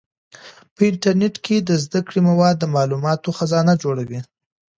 په انټرنیټ کې د زده کړې مواد د معلوماتو خزانه جوړوي.